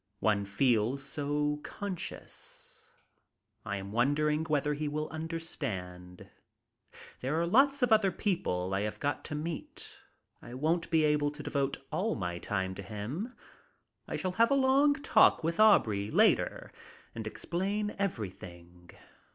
One feels so conscious. I am wondering whether he will understand. There are lots of other people I have got to meet. I won't be able to devote all my time to him. I shall have a long talk with Aubrey later and explain every thing.